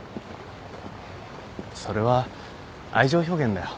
それは愛情表現だよ。